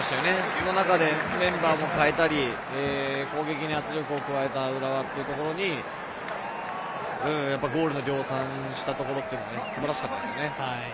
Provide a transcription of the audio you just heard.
その中で、メンバーも代えたり攻撃に圧力を加えた浦和がゴール量産したところはすばらしかったですね。